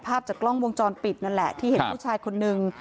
ภาพจากกล้องวงจรปิดนั่นแหละที่เห็นผู้ชายคนนึง